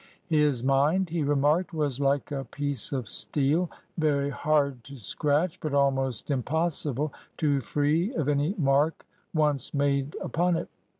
His mind, he remarked, was like a piece of steel — very hard to scratch, but almost impossible to free of any mark once made upon it.